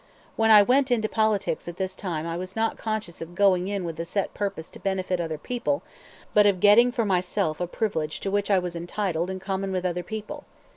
When I went into politics at this time I was not conscious of going in with the set purpose to benefit other people, but of getting for myself a privilege to which I was entitled in common with other people.